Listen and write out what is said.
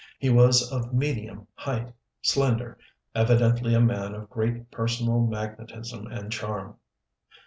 He was of medium height, slender, evidently a man of great personal magnetism and charm.